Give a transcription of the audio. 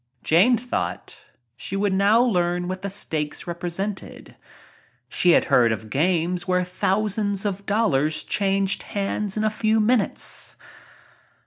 Jane thought she would now learn what the stakes represented. She had heard of games where thousands of dollars changed hands in a few minutes.